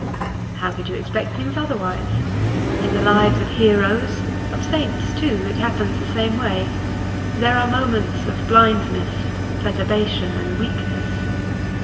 How could you expect things otherwise? In the lives of heroes, of saints, too, it happens the same way there are moments of blindness, perturbation, and weakness.